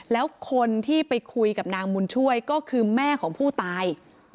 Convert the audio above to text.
แล้วคนที่ไปคุยกับนางบุญช่วยก็คือแม่ของผู้ตาย